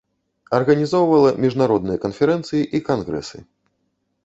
Арганізоўвала міжнародныя канферэнцыі і кангрэсы.